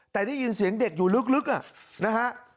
แต่ได้ยินเสียงเด็กอยู่ลึกนะฮะ